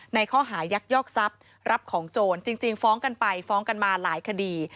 ในข้อหายักยอกทรัพย์รับของโจรจริงฟ้องกันไปฟ้องกันมาหลายคดี